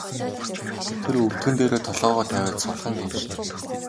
Тэр өвдгөн дээрээ толгойгоо тавиад сулхан гиншинэ.